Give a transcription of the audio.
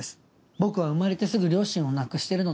僕は生まれてすぐ両親を亡くしてるので。